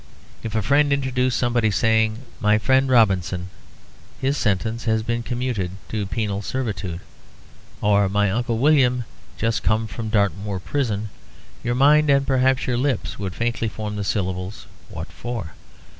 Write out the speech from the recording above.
If a friend introduced somebody, saying, "My friend Robinson; his sentence has been commuted to penal servitude," or "My Uncle William, just come from Dartmoor Prison," your mind and perhaps your lips would faintly form the syllables "What for?"